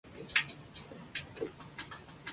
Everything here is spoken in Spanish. Está rodeada por todas partes por un arrecife de coral.